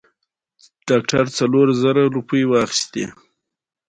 ازادي راډیو د چاپیریال ساتنه په اړه د بریاوو مثالونه ورکړي.